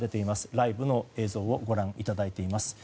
ライブの映像をご覧いただいています。